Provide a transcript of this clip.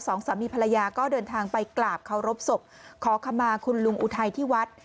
สองสามีภรรยาก็เดินทางไปกราบเคารพศพขอขมาคุณลุงอุทัยที่วัด